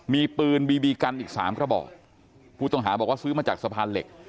มีปืนบีบีกันอีกสามกระบอกผู้ต้องหาบอกว่าซื้อมาจากสะพานเหล็ก